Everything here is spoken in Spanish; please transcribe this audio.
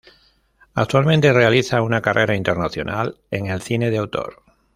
Actualmente realiza una carrera internacional en el cine de autor.